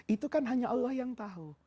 itu kan hanya allah yang tahu